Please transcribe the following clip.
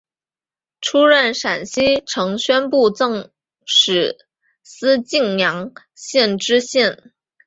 出任陕西承宣布政使司泾阳县知县。